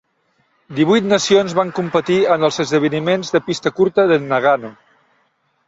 Divuit nacions van competir en els esdeveniments de pista curta de Nagano.